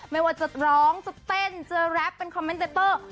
ไม่ว่าจะร้องจะเต้นจะแรปเป็นคอมเมนต์เตอร์